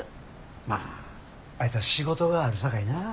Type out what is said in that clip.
まああいつは仕事があるさかいな。